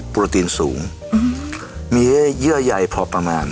โปรตีนสูงมีให้เยื่อใยพอประมาณ